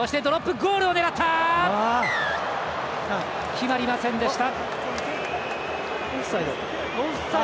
決まりませんでした。